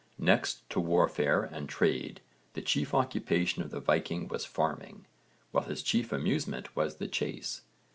Next to warfare and trade, the chief occupation of the Viking was farming, while his chief amusement was the chase.